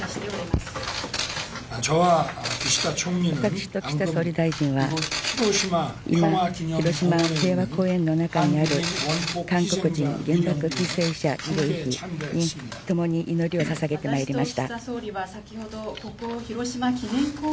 私と岸田総理大臣は、今、広島平和公園の中にある韓国人原爆犠牲者慰霊碑に共に祈りをささげてまいりました。